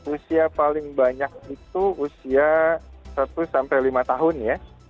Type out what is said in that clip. usia paling banyak itu usia satu sampai lima tahun ya